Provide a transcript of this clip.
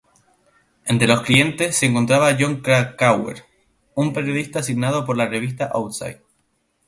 Entre los clientes se encontraba Jon Krakauer, un periodista asignado por la revista "Outside".